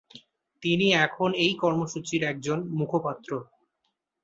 তিনি এখন এই কর্মসূচির একজন মুখপাত্র।